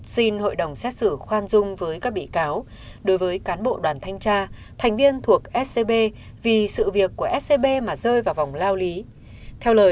xin hội đồng xét xử khoan dung với các bị cáo